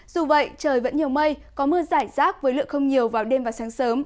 dù vậy trời vẫn nhiều mây có mưa giải rác với lượng không nhiều vào đêm và sáng sớm